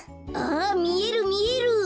あみえるみえる！